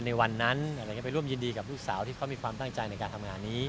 ในวันนั้นอะไรอย่างนี้ไปร่วมยินดีกับลูกสาวที่เขามีความตั้งใจในการทำงานนี้